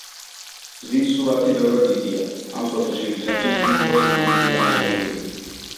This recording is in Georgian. მზის სურათი ბევრად დიდია ამ ფოტოში, ვიდრე მზის დისკოს ნამდვილი განზომილებები.